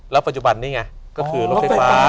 ปัจจุบันนี้ไงก็คือรถไฟฟ้า